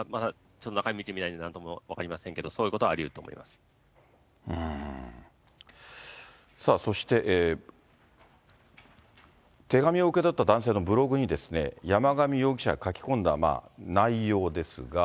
中身見てみないとなんとも分かりませんけど、そういうことはありさあ、そして、手紙を受け取った男性のブログに、山上容疑者が書き込んだ内容ですが。